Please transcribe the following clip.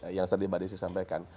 seperti yang tadi badisih sampaikan